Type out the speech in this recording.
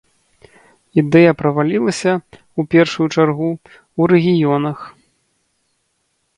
Ідэя правалілася, у першую чаргу, у рэгіёнах.